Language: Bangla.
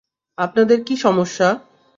আপনাদের কি সমস্যা?